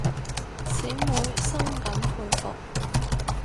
小妹深感佩服